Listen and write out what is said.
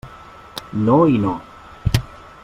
No i no.